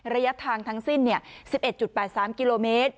ระยะทางทั้งสิ้น๑๑๘๓กิโลเมตร